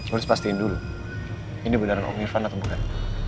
harus pastiin dulu ini beneran om irvan atau bukan